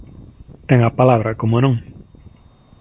Ten a palabra, como non.